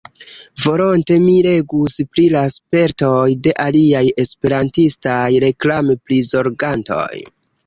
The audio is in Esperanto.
Volonte mi legus pri la spertoj de aliaj esperantistaj reklam-prizorgantoj.